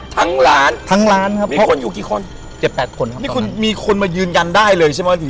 ทั้งร้านทั้งร้านครับมีคนอยู่กี่คนเจ็บแปดคนครับนี่คุณมีคนมายืนยันได้เลยใช่ไหมถึง